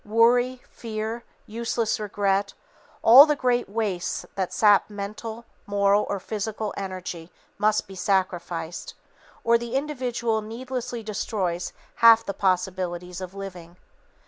Worry, fear, useless regret, all the great wastes that sap mental, moral or physical energy must be sacrificed, or the individual needlessly destroys half the possibilities of living.